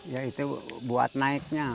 ya itu buat naiknya